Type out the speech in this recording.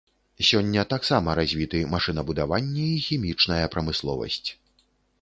Сёння таксама развіты машынабудаванне і хімічная прамысловасць.